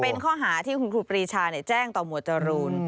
เป็นข้อหาที่คุณครูปรีชาแจ้งต่อหมวดจรูน